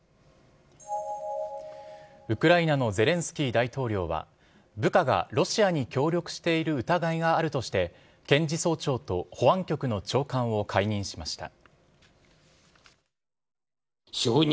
ウクライナのゼレンスキー大統領は、部下がロシアに協力している疑いがあるとして、検事総長と保安局の長官を解任しました。